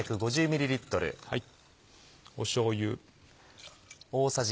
しょうゆ。